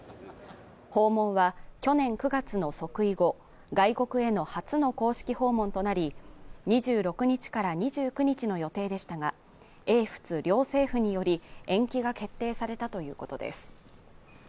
訪問は去年９月の即位後、外国への初の公式訪問となり、２６日から２９日の予定でしたが英仏両政府により延期が決定されたということです。